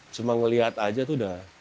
cuma ngeliat aja tuh udah